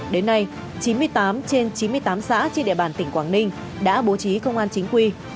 đến nay chín mươi tám trên chín mươi tám xã trên địa bàn tỉnh quảng ninh đã bố trí công an chính quy